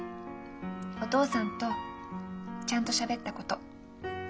お父さんとちゃんとしゃべったこと。